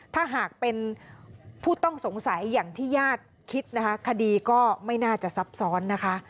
ถ้าหากเป็นผู้ต้องสงสัยอย่างที่ญาติคิดนะคะคดีก็ไม่น่าจะซับซ้อนนะคะ